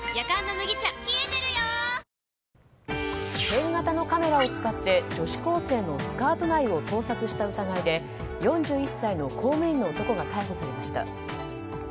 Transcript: ペン型のカメラを使って女子高生のスカート内を盗撮した疑いで４１歳の公務員の男が逮捕されました。